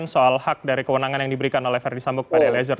soal hak dari kewenangan yang diberikan oleh verdi sambo kepada eliezer